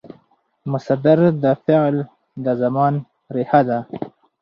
مصدر د فعل د زمان ریښه ده.